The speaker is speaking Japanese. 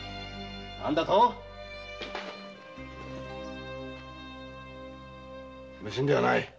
何だと⁉無心ではない。